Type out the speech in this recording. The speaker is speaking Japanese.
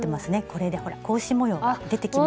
これでほら格子模様が出てきましたよ。